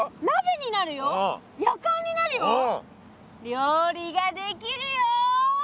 料理ができるよ！